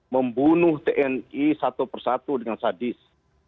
membunuh tni satu persatu dengan sadis